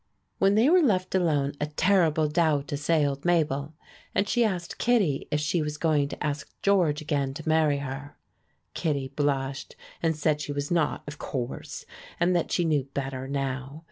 When they were left alone a terrible doubt assailed Mabel, and she asked Kittie if she was going to ask George again to marry her. Kittie blushed and said she was not, of course, and that she knew better now.